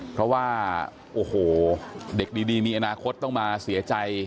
เพราะว่าโอ้โหเด็กดีมีอนาคตต้องมาเสียใจ